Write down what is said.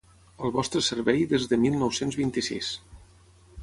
al vostre servei des de mil nou-cents vint-i-sis